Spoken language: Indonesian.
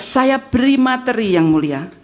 saya beri materi yang mulia